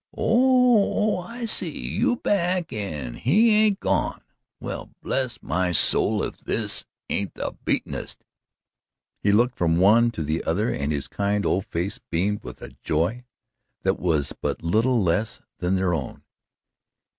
"Oh, ho! I see! You back an' he ain't gone! Well, bless my soul, if this ain't the beatenest " he looked from the one to the other and his kind old face beamed with a joy that was but little less than their own.